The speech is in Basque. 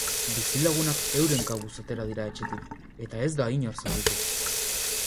Bizilagunak euren kabuz atera dira etxetik, eta ez da inor zauritu.